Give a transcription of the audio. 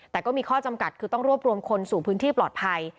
แต่ก็มีข้อจำกัดคือต้องรวบรวมคนสู่พื้นที่ปลอดภัย